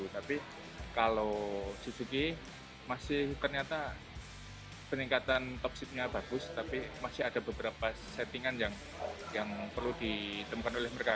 tapi kalau suzuki masih ternyata peningkatan top ship nya bagus tapi masih ada beberapa settingan yang perlu ditemukan oleh mereka